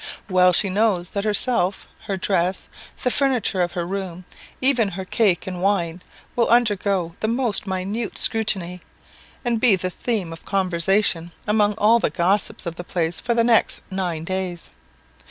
Well she knows that herself, her dress, the furniture of her room, even her cake and wine, will undergo the most minute scrutiny, and be the theme of conversation among all the gossips of the place for the next nine days.